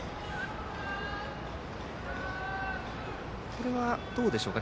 これは、どうでしょうか。